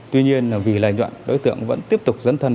tuy nhiên vì lành đoạn đối tượng vẫn tiếp tục dẫn thân